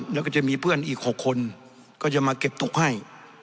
แล้วก็จะมีเพื่อนอีก๖คนก็จะมาเก็บตุ๊กให้